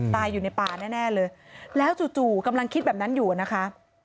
ตายอยู่ในป่าแน่เลยแล้วจู่กำลังคิดแบบนั้นอยู่นะคะ